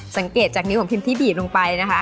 สังเกตจากนิ้วของทีมที่บีดลงไปนะคะ